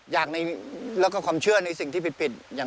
อย่างแล้วก็ความเชื่อในสิ่งที่ผิด